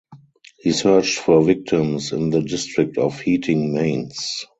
He searched for victims in the district of heating mains.